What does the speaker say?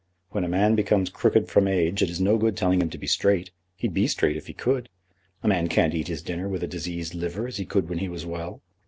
When a man becomes crooked from age it is no good telling him to be straight. He'd be straight if he could. A man can't eat his dinner with a diseased liver as he could when he was well."